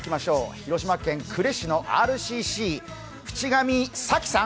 広島県呉市のＲＣＣ、渕上沙紀さん